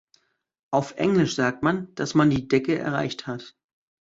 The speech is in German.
Auf Englisch sagt man, dass man die Decke erreicht hat.